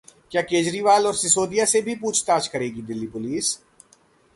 क्या केजरीवाल और सिसोदिया से भी पूछताछ करेगी दिल्ली पुलिस?